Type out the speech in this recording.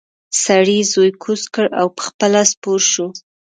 سړي زوی کوز کړ او پخپله سپور شو.